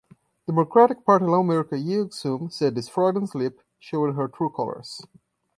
Democratic Party lawmaker Yeung Sum said this "Freudian slip" showed up her true colours.